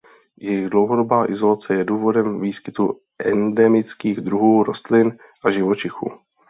Jejich dlouhodobá izolace je důvodem výskytu endemických druhů rostlin a živočichů.